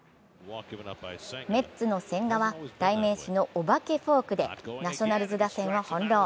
メッツの千賀は代名詞のお化けフォークでナショナルズ打線を翻弄。